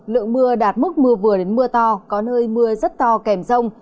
lượng mưa đạt mức mưa vừa đến mưa to có nơi mưa rất to kèm rông